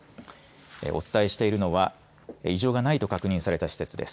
お伝えしているのは異常がないと確認された施設です。